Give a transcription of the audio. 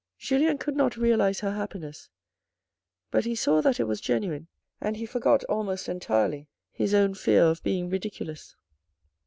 Julien could not realise her happiness, but he saw that it was genuine and he forgot almost entirely his own fear of being ridiculous.